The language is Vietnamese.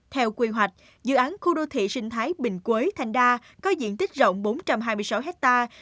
theo quy hoạch dự án khu đô thị sinh thái bình quế thanh đa có diện tích rộng bốn trăm hai mươi sáu hectare